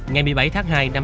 ngày một mươi bảy tháng hai